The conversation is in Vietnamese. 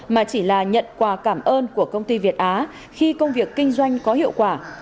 mà chỉ là nhận quà cảm ơn của công ty việt á khi công việc kinh doanh có hiệu quả